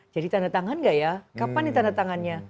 jadi tanda tangan gak ya kapan nih tanda tangannya